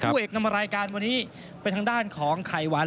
ผู้เอกนำรายการวันนี้เป็นทางด้านของไข่หวาน